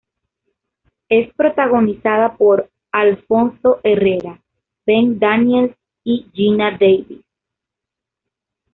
Es protagonizada por Alfonso Herrera, Ben Daniels y Geena Davis.